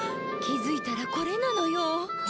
気づいたらこれなのよ。